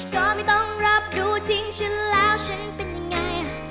ก็ไม่ต้องรับรู้ทิ้งฉันแล้วฉันเป็นยังไง